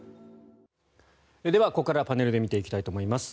ではここからパネルで見ていきたいと思います。